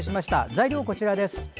材料はこちらです。